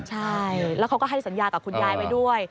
ใช่แล้วเขาก็ให้สัญญากับคุณยายไปด้วย